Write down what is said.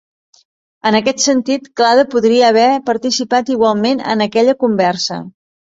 En aquest sentit, Clara podria haver participat igualment en aquella conversa.